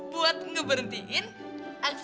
boleh enggah pergi dimana